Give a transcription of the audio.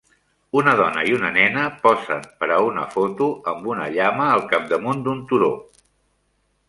Una dona i una nena posen per a una foto amb una llama al capdamunt d'un turó.